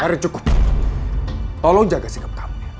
erin cukup tolong jaga sikap kamu